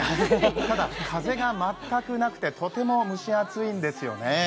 ただ風が全くなくてとても蒸し暑いんですよね。